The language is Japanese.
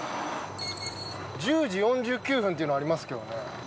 １０時４９分っていうのありますけどね。